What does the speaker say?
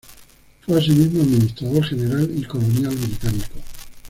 Fue asimismo administrador general y colonial británico.